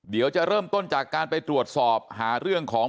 เดี๋ยวจะเริ่มต้นจากการไปตรวจสอบหาเรื่องของ